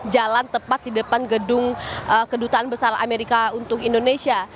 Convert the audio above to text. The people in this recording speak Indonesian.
jalan tepat di depan gedung kedutaan besar amerika untuk indonesia